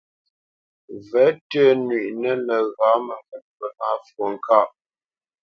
Və̌tʉ́ nywíʼnə nəghǎ məŋkəndwo nâ fwo ŋkâʼ.